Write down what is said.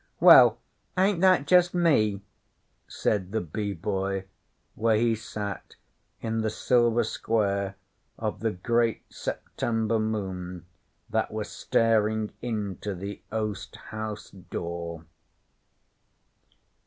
'Well, ain't that just me?' said the Bee Boy, where he sat in the silver square of the great September moon that was staring into the oast house door.